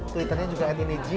twitternya juga at inij